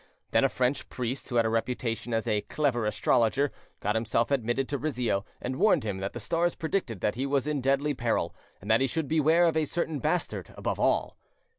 Then a French priest, who had a reputation as a clever astrologer, got himself admitted to Rizzio, and warned him that the stars predicted that he was in deadly peril, and that he should beware of a certain bastard above all.